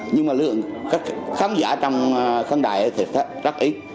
nhưng mà lưu hưởng khán giả trong kháng đài thì rất là đông